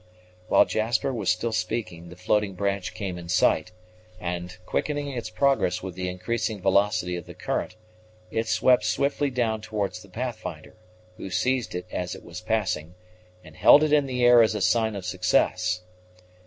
While Jasper was still speaking, the floating branch came in sight; and, quickening its progress with the increasing velocity of the current, it swept swiftly down towards the Pathfinder, who seized it as it was passing, and held it in the air as a sign of success.